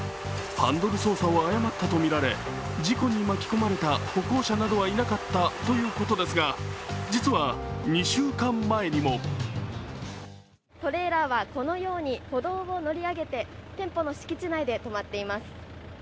ハンドル操作を誤ったとみられ事故に巻き込まれた歩行者はいなかったということですが実は２週間前にもトレーラーはこのように歩道を乗り上げて店舗の敷地内で止まっています。